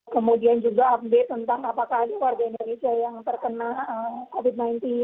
kemudian juga update tentang apakah ada warga indonesia yang terkena covid sembilan belas